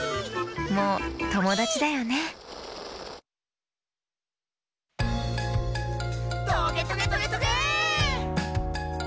もうともだちだよね「トゲトゲトゲトゲェー！！」